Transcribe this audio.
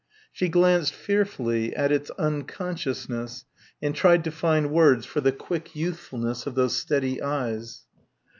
She glanced fearfully, at its unconsciousness, and tried to find words for the quick youthfulness of those steady eyes.